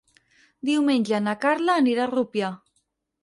Diumenge na Carla anirà a Rupià.